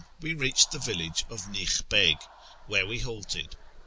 we reached the village of Nikh beg, where we halted.